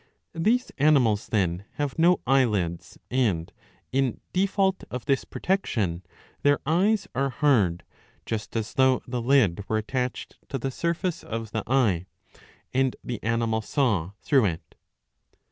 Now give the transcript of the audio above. These animals then have no eyelids and, in default of this protection, their eyes are hard, just as though the lid were attached to the surface of the eye, and the animal saw through it.